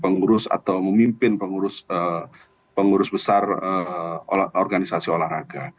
yang kemudian duduk menjadi pengurus atau memimpin pengurus besar organisasi olahraga